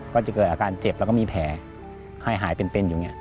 ก็จะเกิดอาการเจ็บแล้วก็มีแผลหายเป็นอยู่